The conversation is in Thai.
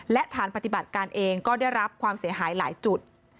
และฐานปฏิบัติการเองก็ได้รับความเสียหายหลายจุด